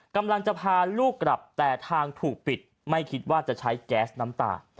กำลังจะพาลูกกลับแต่ทางถูกปิดไม่คิดว่าจะใช้แก๊สน้ำตา